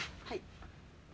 はい。